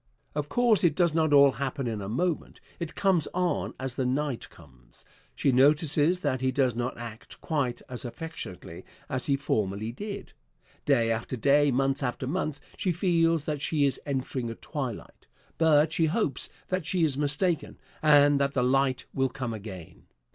Of course, it does not all happen in a moment. It comes on as the night comes. She notices that he does not act quite as affectionately as he formerly did. Day after day, month after month, she feels that she is entering a twilight. But she hopes that she is mistaken, and that the light will come again.